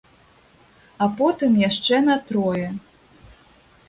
А потым яшчэ на трое.